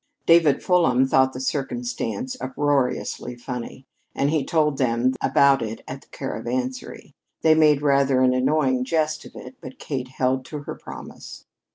David Fulham thought the circumstance uproariously funny, and he told them about it at the Caravansary. They made rather an annoying jest of it, but Kate held to her promise.